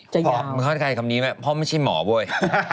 จะยาวมันค่อนข้างในคำนี้แบบพ่อไม่ใช่หมอโบ้ย